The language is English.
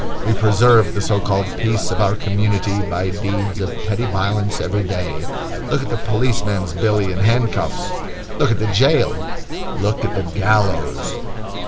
We preserve the so called peace of our community by deeds of petty violence every day. Look at the policeman's billy and handcuffs! Look at the jail! Look at the gallows!